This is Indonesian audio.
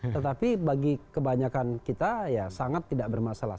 tetapi bagi kebanyakan kita ya sangat tidak bermasalah